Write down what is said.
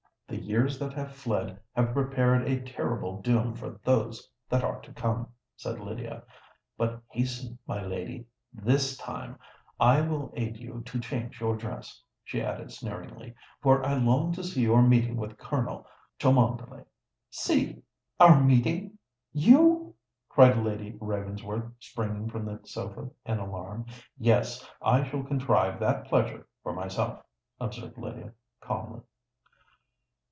"The years that have fled have prepared a terrible doom for those that are to come," said Lydia. "But hasten, my lady,—this time I will aid you to change your dress," she added sneeringly; "for I long to see your meeting with Colonel Cholmondeley." "See our meeting!—you!" cried Lady Ravensworth, springing from the sofa in alarm. "Yes—I shall contrive that pleasure for myself," observed Lydia, calmly.